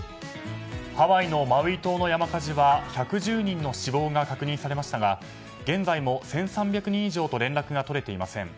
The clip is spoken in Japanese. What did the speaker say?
ハワイのマウイ島の山火事は１１０人の死亡が確認されましたが現在も１３００人以上と連絡が取れていません。